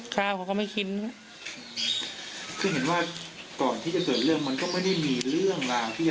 ข้าวเขาก็ไม่คิดคือเห็นว่าก่อนที่จะเกิดเรื่องมันก็ไม่ได้มีเรื่องราวที่จะ